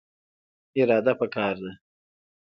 اراده پکار ده